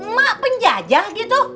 mak penjajah gitu